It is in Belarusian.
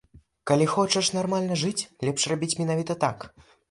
Калі хочаш нармальна жыць, лепш рабіць менавіта так.